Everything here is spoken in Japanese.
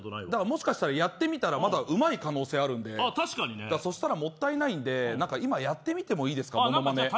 もしかしたらやってみたらうまい可能性あるんでそしたら、もったいないんで今やってみてもいいですか。